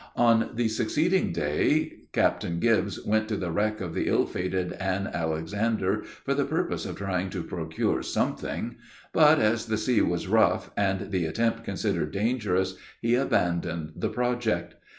On the succeeding day Captain Gibbs went to the wreck of the ill fated Ann Alexander, for the purpose of trying to procure something; but, as the sea was rough, and the attempt considered dangerous, he abandoned the project.